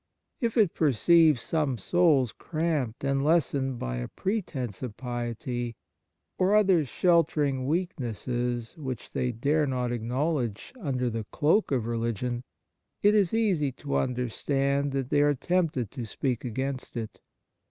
If it perceives some souls cramped and lessened by a pretence of piety, or others sheltering weak nesses, which they dare not acknow ledge, under the cloak of religion, it is easy to understand that they are tempted to speak against it.